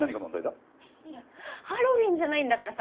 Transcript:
いやハロウィーンじゃないんだからさ